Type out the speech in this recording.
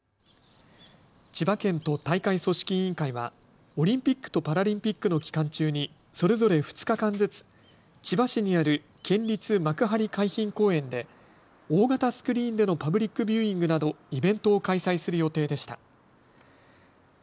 千葉県と大会組織委員会はオリンピックとパラリンピックの期間中にそれぞれ２日間ずつ千葉市にある県立幕張海浜公園で大型スクリーンでのパブリックビューイングなどイベントを開催する予定でした。